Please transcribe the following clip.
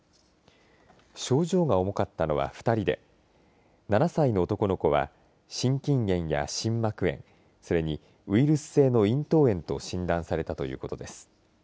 症状が重かったのは２人で７歳の男の子は心筋炎や心膜炎それにウイルス性の咽頭炎と診断されたということです。